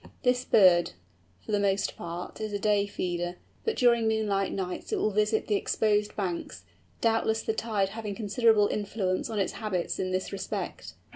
This bird, for the most part, is a day feeder; but during moonlight nights it will visit the exposed banks, doubtless the tide having considerable influence on its habits in this respect.